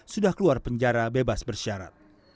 sudah keluar penjara bebas bersyarat